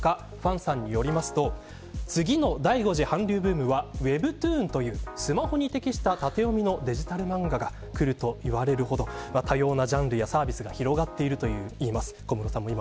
黄さんによると、次の第５次韓流ブームはウェブトゥーンというスマホに適したデジタルの縦読み漫画がくると言われるほど多様なジャンルやサービスが広がってると言ってます。